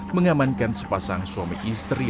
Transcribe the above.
mengamankan sepasang suami isteri